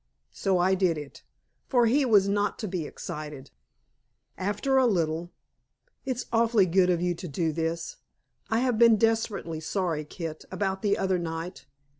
So I did it, for he was not to be excited. After a little "It's awfully good of you to do this. I have been desperately sorry, Kit, about the other night.